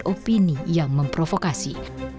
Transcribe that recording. dan opini yang memprovokasi